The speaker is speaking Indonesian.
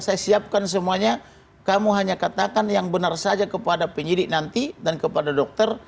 saya siapkan semuanya kamu hanya katakan yang benar saja kepada penyidik nanti dan kepada dokter